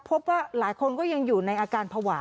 พบว่าหลายคนก็ยังอยู่ในอาการภาวะ